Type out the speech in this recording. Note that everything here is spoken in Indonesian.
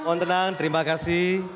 mohon tenang terima kasih